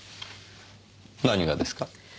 何がですか？